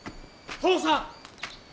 父さん！